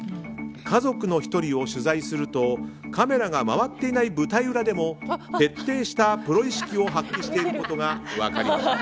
家族の１人を取材するとカメラが回っていない舞台裏でも徹底したプロ意識を発揮していることが分かりました。